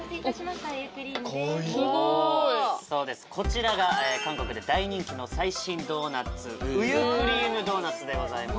かわいいすごいこちらが韓国で大人気の最新ドーナツウユクリームドーナツでございます